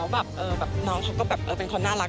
แล้วน้องเขาก็เป็นคนน่ารัก